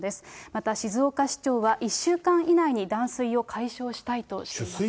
また静岡市長は１週間以内に断水を解消したいとしています。